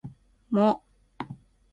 も